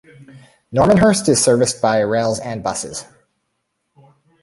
Normanhurst is serviced by rail and buses.